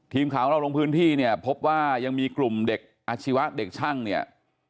ทีมข่าวของเราลงพื้นที่เนี่ยพบว่ายังมีกลุ่มเด็กอาชีวะเด็กช่างเนี่ย